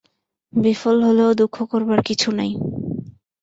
বিফল হলেও দুঃখ করবার কিছু নাই।